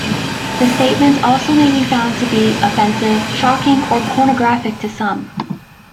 The statements also may be found to be offensive, shocking, or pornographic to some.